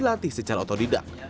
dilatih secara otodidak